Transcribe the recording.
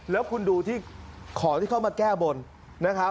แล้วคุณดูที่ของที่เขามาแก้บนนะครับ